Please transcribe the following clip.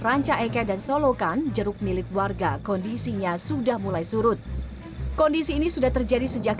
ranca eke dan solokan jeruk milik warga kondisinya sudah mulai surut kondisi ini sudah terjadi sejak